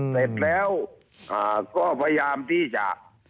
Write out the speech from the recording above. เสร็จแล้วก็พยายามที่จะ